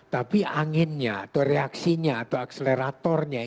tapi anginnya atau reaksinya atau akseleratornya